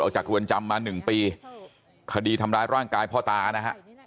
จากเรือนจำมา๑ปีคดีทำร้ายร่างกายพ่อตานะฮะ